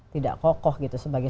tidak kokoh sebagai